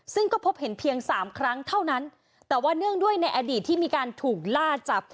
ซึ่งก็พบเห็นเพียงสามครั้งเท่านั้นแต่ว่าเนื่องด้วยในอดีตที่มีการถูกล่าจับ